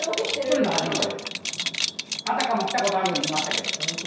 あたかも来たことあるように言いましたけど。